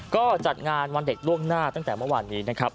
ก็จัดงานวันเด็กล่วงหน้าตั้งแต่เมื่อวานนี้นะครับ